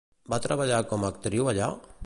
Va treballar com a actriu allà?